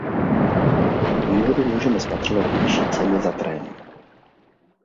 Výhodu můžeme spatřovat v nižší ceně za trénink.